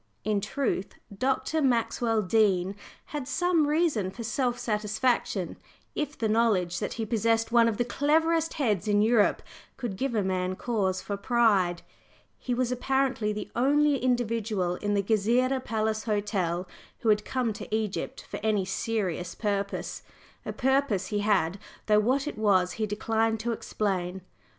In truth, Dr. Maxwell Dean had some reason for self satisfaction, if the knowledge that he possessed one of the cleverest heads in Europe could give a man cause for pride. He was apparently the only individual in the Gezireh Palace Hotel who had come to Egypt for any serious purpose. A purpose he had, though what it was he declined to explain.